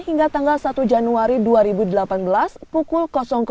hingga tanggal satu januari dua ribu delapan belas pukul